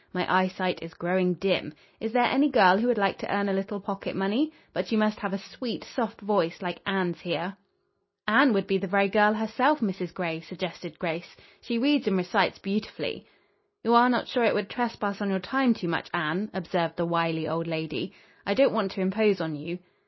My eyesight is growing dim. Is there any girl who would like to earn a little pocket money? But she must have a sweet, soft voice, like Anne's here." "Anne would be the very girl herself, Mrs. Gray," suggested Grace. "She reads and recites beautifully." "You are not sure it would trespass on your time too much, Anne?" observed the wily old lady. "I don't want to impose on you."